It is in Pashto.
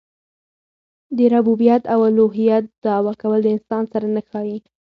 د ربوبیت او اولوهیت دعوه کول د انسان سره نه ښايي.